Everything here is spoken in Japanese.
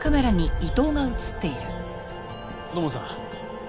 土門さん。